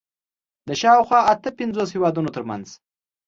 د شاوخوا اته پنځوس هېوادونو تر منځ